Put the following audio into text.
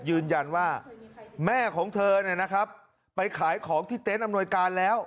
ยืนยันว่าแม่ของเธอเนี่ยนะครับไปขายของที่เต็นต์อำนวยการแล้ว